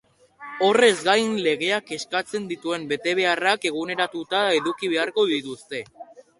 Horrez gain, legeak eskatzen dituen betebeharrak eguneratuta eduki beharko dituzte.